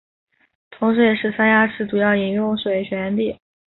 同时也是三亚市主要饮用水水源地。